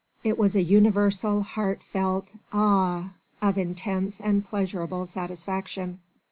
It was a universal, heartfelt "Ah!" of intense and pleasurable satisfaction.